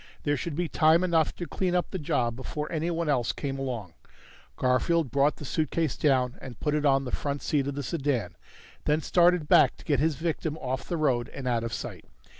There should be time enough to clean up the job before anyone else came along. Garfield brought the suitcase down and put it on the front seat of the sedan, then started back to get his victim off the road and out of sight.